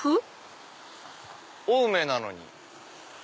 青梅なのに。